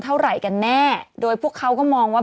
เท่าไหร่กันแน่โดยพวกเขาก็มองว่า